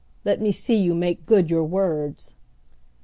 Let me see you make good your words!"